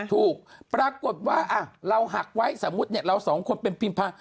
ถูกปรากฏว่าเราหักไว้สมมุติเราสองคนเป็นพิมพา